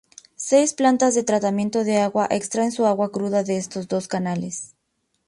Seis plantas de tratamiento de agua extraen su agua cruda de estos dos canales.